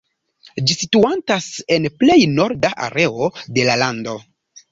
Ĝi situantas en plej norda areo de la lando.